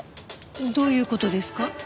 どういう事ですか？